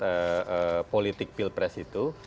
karena ini sudah ada politik pilpres itu